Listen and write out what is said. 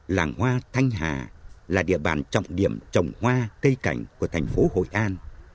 làng hoa thanh hà là địa bàn trọng điểm trồng hoa cây cảnh của thành phố hội an